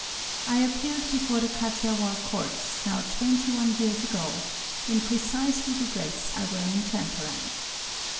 I appeared before the Kathiawar courts now 21 years ago in precisely the dress I wear in Champaran.